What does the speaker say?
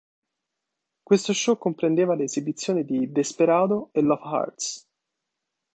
Questo show comprendeva le esibizioni di "Desperado" e "Love Hurts".